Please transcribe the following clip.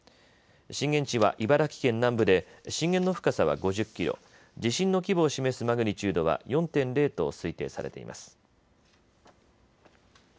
震源地は茨城県南部で、震源の深さは５０キロ、地震の規模を示すマグニチュードは４．０と推定されています。